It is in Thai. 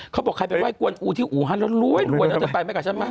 เขาบอกใครไปไห้กวนอูที่อูฮันแล้วรวยแล้วเธอไปไหมกับฉันไหม